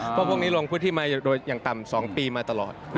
เพราะพรุ่งนี้ลงพฤติมัยอย่างต่ำ๒ปีมาตลอด